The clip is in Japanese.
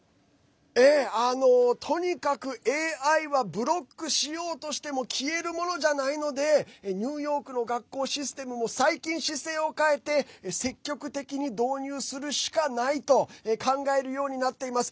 とにかく、ＡＩはブロックしようとしても消えるものじゃないのでニューヨークの学校システムも最近、姿勢を変えて積極的に導入するしかないと考えるようになっています。